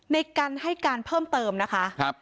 ในกันให้การเพิ่มเติมนะคะ